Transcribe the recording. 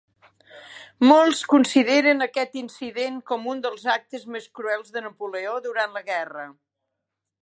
Molts consideren aquest incident com un dels actes més cruels de Napoleó durant la guerra.